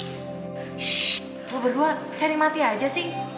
shh lo berdua cari mati aja sih